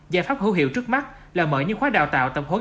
giải pháp hữu hiệu trước mắt là mở những khóa đào tạo tập huấn